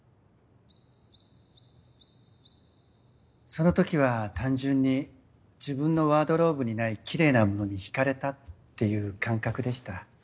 そのときは単純に自分のワードローブにないきれいなものに引かれたっていう感覚でした。